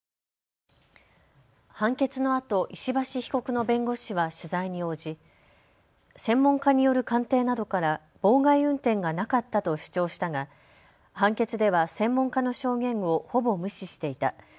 判決のあと、石橋被告の弁護士は取材に応じ専門家による鑑定などから妨害運転がなかったと主張したが判決では専門家の証言をほぼ無視していた。